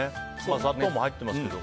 砂糖も入っていますけど。